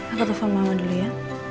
aku telfon mama dulu ya